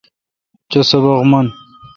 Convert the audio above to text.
چو سبق من۔